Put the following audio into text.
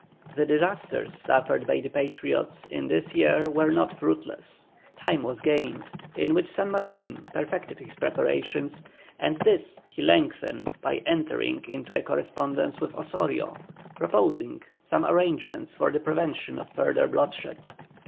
The disasters suffered by the Patriots in this year were not fruitless; time was gained, in which San Martin perfected his preparations, and this he lengthened by entering into a correspondence with Osorio, proposing some arrangement for the prevention of further bloodshed.